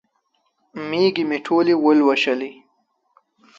کېږې مې ټولې ولوسلې.